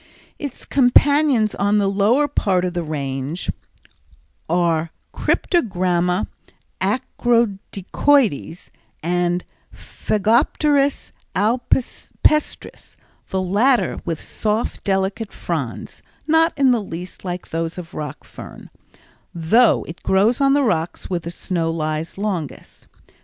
Its companions on the lower part of its range are Cryptogramma acrostichoides and Phegopteris alpestris, the latter with soft, delicate fronds, not in the least like those of Rock fern, though it grows on the rocks where the snow lies longest.